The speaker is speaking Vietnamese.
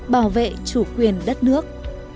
bảo vệ chủ quyền đất nước